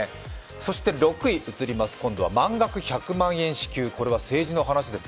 そして６位、今度は満額１００万円支給、これは政治の話です。